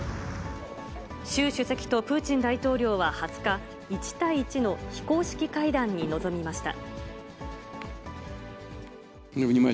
習主席とプーチン大統領は２０日、１対１の非公式会談に臨みました。